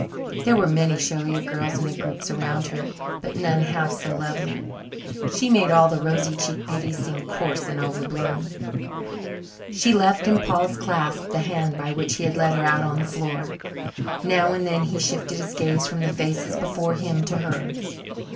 There were many showier girls in the groups around her, but none half so lovely. She made all the rosy cheeked beauties seem coarse and over blown. She left in Paul's clasp the hand by which he had led her out on the floor. Now and then he shifted his gaze from the faces before him to hers.